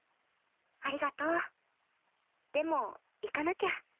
ありがとうでも行かなきゃ。